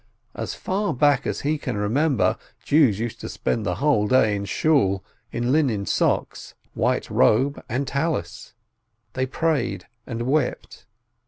As far back as he can remember, Jews used to spend the whole day in Shool, in linen socks, white robe, and prayer scarf. They prayed and wept.